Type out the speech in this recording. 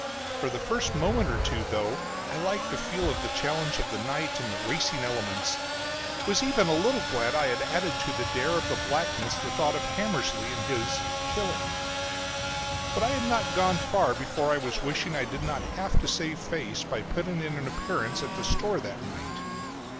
For the first moment or two, though, I liked the feel of the challenge of the night and the racing elements, was even a little glad I had added to the dare of the blackness the thought of Hammersly and his "killing." But I had not gone far before I was wishing I did not have to save my face by putting in an appearance at the store that night.